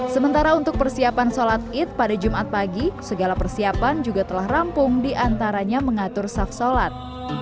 sementara untuk persiapan sholat id pada jumat pagi segala persiapan juga telah rampung diantaranya mengatur saf sholat